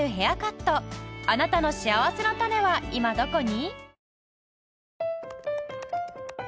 あなたのしあわせのたねは今どこに？